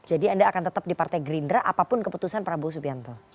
jadi anda akan tetap di partai gerindra apapun keputusan prabowo subianto